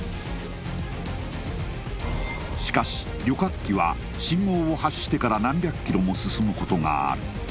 しかし旅客機は信号を発してから何百ｋｍも進むことがある